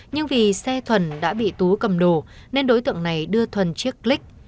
nhưng vì xe thuần đã bị tú cầm đồ nên đối tượng này đưa thuần chiếc click